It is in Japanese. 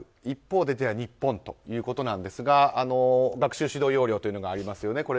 一方で日本はということですが学習指導要領というのがありますよね。